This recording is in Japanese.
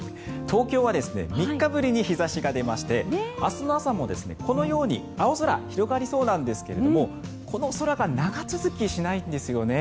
東京は３日ぶりに日差しが出まして明日の朝もこのように青空、広がりそうなんですがこの空が長続きしないんですよね。